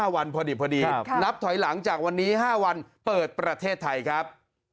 วันพอดีนับถอยหลังจากวันนี้๕วันเปิดประเทศไทยครับ